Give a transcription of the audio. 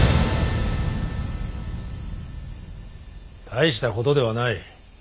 大したことではない。